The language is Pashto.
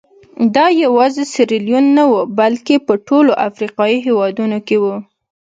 دا یوازې سیریلیون نه وو بلکې په ټولو افریقایي هېوادونو کې وو.